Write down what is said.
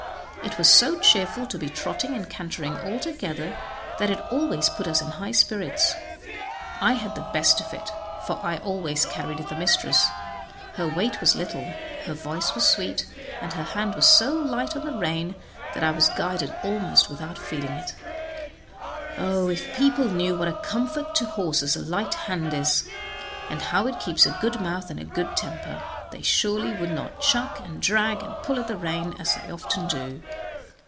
It was so cheerful to be trotting and cantering all together that it always put us in high spirits. I had the best of it, for I always carried the mistress; her weight was little, her voice was sweet, and her hand was so light on the rein that I was guided almost without feeling it. Oh! if people knew what a comfort to horses a light hand is, and how it keeps a good mouth and a good temper, they surely would not chuck, and drag, and pull at the rein as they often do.